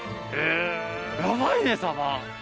やばいね、サバ。